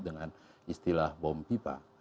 dengan istilah bom pipa